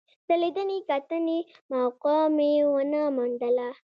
د لیدنې کتنې موقع مې ونه موندله.